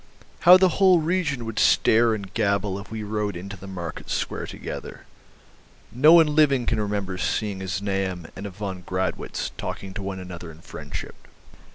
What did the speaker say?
"How the whole region would stare and gabble if we rode into the market square together. No one living can remember seeing a Znaeym and a von Gradwitz talking to one another in friendship.